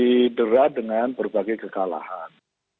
diderat dengan berbagai kekalahan